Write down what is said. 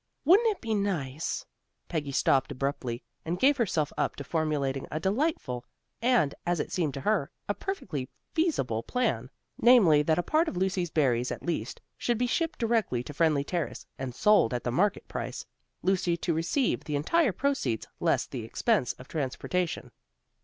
Wouldn't it be nice " Peggy stopped abruptly, and gave herself up to formulating a delightful, and as it seemed to her, a perfectly feasible plan, namely that a part of Lucy's berries at least, should be shipped directly to Friendly Terrace, and sold at the market price, Lucy to receive the entire proceeds less the expense of transportation.